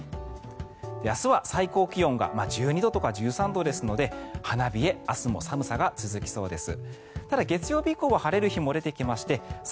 明日は最高気温が１２度とか１３度ですので花冷え明日も寒さが続きそうです。